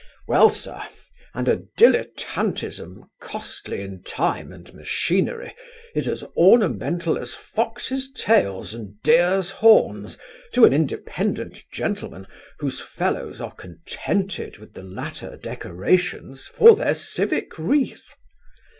Well, sir, and a dilettantism costly in time and machinery is as ornamental as foxes' tails and deers' horns to an independent gentleman whose fellows are contented with the latter decorations for their civic wreath.